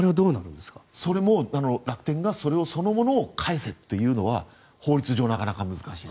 それも楽天がそのものを返せというのは法律上なかなか難しい。